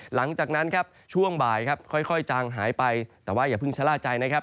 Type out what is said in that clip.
หลังจากนั้นครับช่วงบ่ายครับค่อยจางหายไปแต่ว่าอย่าเพิ่งชะล่าใจนะครับ